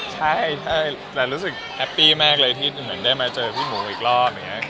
ใช่รู้สึกแฮปปี้มากเลยที่เหนือเหมือนได้มาเจอพี่หมูอีกรอบ